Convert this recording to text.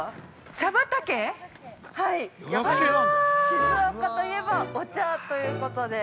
◆静岡といえばお茶ということで。